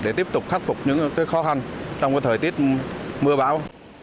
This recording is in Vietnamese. để tiếp tục khắc phục những khó khăn trong thời tiết mưa bão